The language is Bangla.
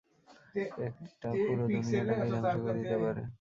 এটা পুরো দুনিয়াটাকেই ধ্বংস করে দিতে পারে!